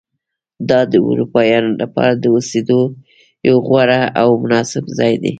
دا د اروپایانو لپاره د اوسېدو یو غوره او مناسب ځای و.